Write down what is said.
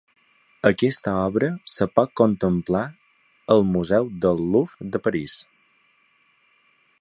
Aquesta obra es pot contemplar al Museu del Louvre de París.